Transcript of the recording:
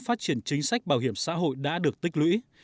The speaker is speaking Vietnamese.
phát triển chính sách bảo hiểm xã hội đã được tích lũy